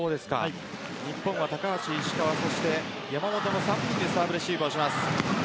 日本は高橋、石川そして山本の３人でサーブレシーブをします。